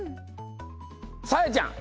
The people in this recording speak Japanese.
さあやちゃん！